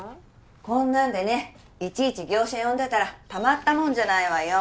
こんなんでねいちいち業者呼んでたらたまったもんじゃないわよ。